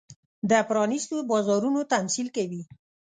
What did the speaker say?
د پرانېستو بازارونو تمثیل کوي.